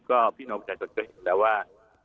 ก็พี่น้องผู้ชายเสื้อจะเห็นแหละว่า